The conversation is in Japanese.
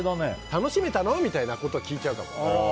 楽しめたの？みたいなこと聞いちゃうかも。